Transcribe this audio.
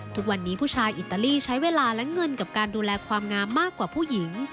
ทุกวันนี้ผู้ชายอิตาลีใช้เวลาและเงินกับการดูแลความงามมากกว่าผู้หญิง